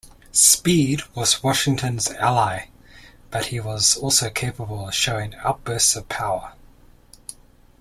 Speed was Washington's ally, but he was also capable of showing outbursts of power.